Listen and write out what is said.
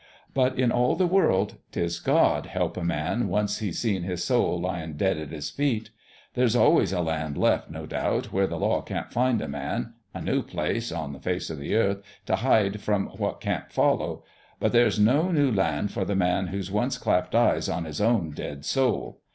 But in all the world 'tis God help a man once he's seen his soul lyin' dead at his feet ! There's always a land left, no doubt, where the law can't find a man, a new place, on the face o' the earth, t' hide from what can't follow ; but there's no new land for the man who's once clapped eyes on his own dead soul.